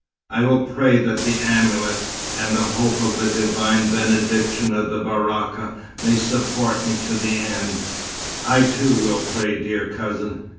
I will pray that the amulet, and the hope of the divine benediction of the baraka may support me to the end." "I, too, will pray, dear cousin.